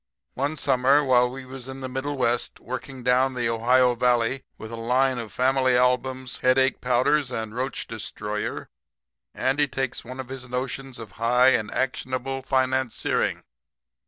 "One summer while we was in the middle West, working down the Ohio valley with a line of family albums, headache powders and roach destroyer, Andy takes one of his notions of high and actionable financiering.